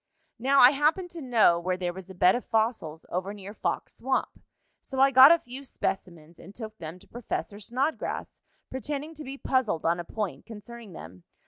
"Now I happened to know where there was a bed of fossils over near Fox Swamp. So I got a few specimens, and took them to Professor Snodgrass, pretending to be puzzled on a point concerning them.